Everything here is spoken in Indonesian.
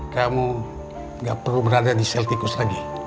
kamu gak perlu berada di sel tikus lagi